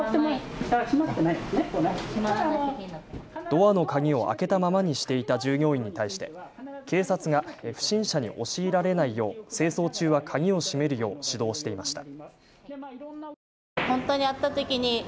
ドアの鍵を開けたままにしていた従業員に対して、警察が不審者に押し入られないよう清掃中は鍵を閉めるよう指導していました。